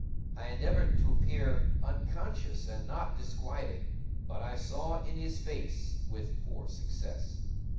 I endeavoured to appear unconscious and not disquieted, but, I saw in his face, with poor success.